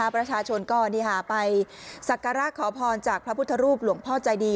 ประชาชนก็ไปสักการะขอพรจากพระพุทธรูปหลวงพ่อใจดี